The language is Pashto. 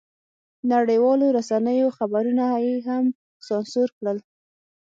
نړیوالو رسنیو خبرونه یې هم سانسور کړل.